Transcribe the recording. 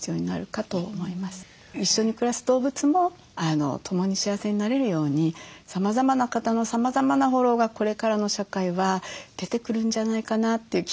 一緒に暮らす動物も共に幸せになれるようにさまざまな方のさまざまなフォローがこれからの社会は出てくるんじゃないかなという期待をすごくしております。